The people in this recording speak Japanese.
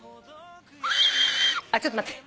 あっちょっと待って。